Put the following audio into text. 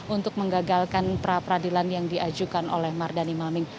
untuk menggagalkan prapradilan yang diajukan oleh mardani maming